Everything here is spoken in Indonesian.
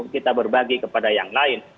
kita berbagi kepada yang lain